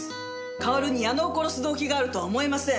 かおるに矢野を殺す動機があるとは思えません。